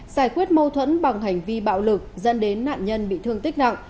giải quyết mâu thuẫn bằng hành vi bạo lực dẫn đến nạn nhân bị thương tích nặng